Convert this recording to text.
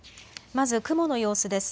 まず雲の様子です。